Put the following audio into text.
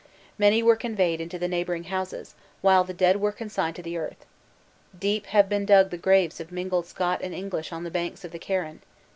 Many were conveyed into the neighboring houses, while the dead were consigned to the earth. Deep have been dug the graves of mingled Scot and English on the banks of the Carron!